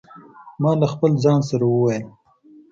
ما له خپل ځانه سره وویل.